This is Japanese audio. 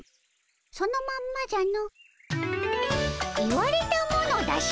そのまんまじゃの。